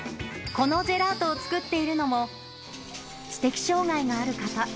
このジェラートを作っているのも知的障がいがある方。